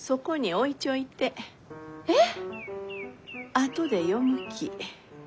あとで読むき。